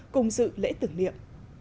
cùng dự lễ tưởng niệm